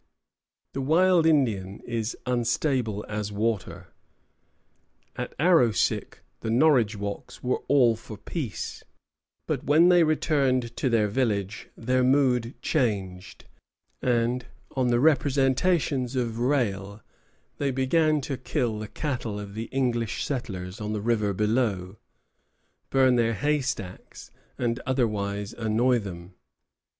The wild Indian is unstable as water. At Arrowsick, the Norridgewocks were all for peace; but when they returned to their village their mood changed, and, on the representations of Rale, they began to kill the cattle of the English settlers on the river below, burn their haystacks, and otherwise annoy them.